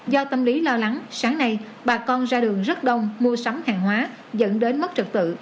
do tâm lý lo lắng sáng nay bà con ra đường rất đông mua sắm hàng hóa dẫn đến mất trật tự